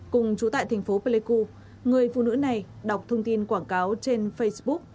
cùng chú tại thành phố pleiku người phụ nữ này đọc thông tin quảng cáo trên facebook